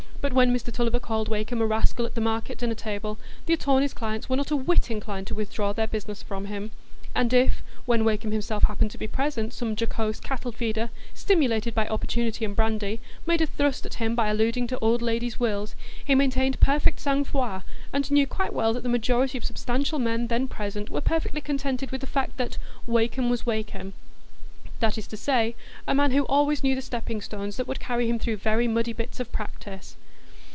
But when Mr Tulliver called Wakem a rascal at the market dinner table, the attorneys' clients were not a whit inclined to withdraw their business from him; and if, when Wakem himself happened to be present, some jocose cattle feeder, stimulated by opportunity and brandy, made a thrust at him by alluding to old ladies' wills, he maintained perfect sang froid, and knew quite well that the majority of substantial men then present were perfectly contented with the fact that "Wakem was Wakem"; that is to say, a man who always knew the stepping stones that would carry him through very muddy bits of practice.